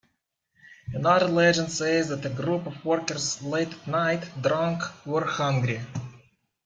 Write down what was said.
Another legend says that a group of workers, late at night, drunk, were hungry.